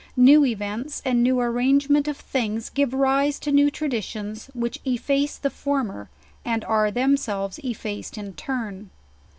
New events, and new arrangement of things, give rise to new traditions which ef face the former, and are themselves effaced in turn.